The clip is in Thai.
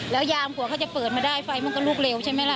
แล้วยามกว่าเขาจะเปิดมาได้ไฟมันก็ลุกเร็วใช่ไหมล่ะ